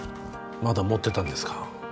まだ持ってたんですか